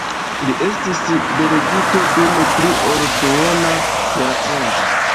Li estis delegito dum pli ol duona jarcento.